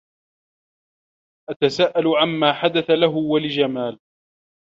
أتساءل عمّا حدث له و لجمال.